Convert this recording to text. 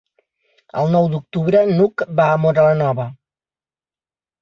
El nou d'octubre n'Hug va a Móra la Nova.